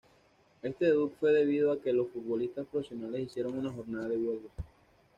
Este debut fue debido a que los futbolistas profesionales hicieron una jornada de huelga.